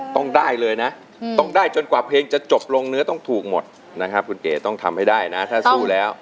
ต้องได้เลยนะต้องได้จนกว่าเพลงจะจบลงเนื้อต้องถูกหมดนะครับคุณเอ๋ต้องทำให้ได้นะถ้าสู้แล้ว